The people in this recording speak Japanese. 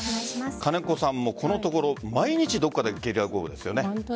金子さんもこのところ毎日どこかでゲリラ豪雨ですよね。